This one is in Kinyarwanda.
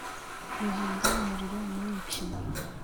Guhinda umuriro mwinshi